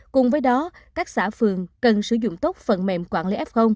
cùng với đó các xã phường cần sử dụng tốt phần mềm quản lý f